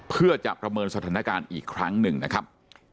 เพื่อจะประเมินสถานการณ์อีกครั้งหนึ่งนะครับ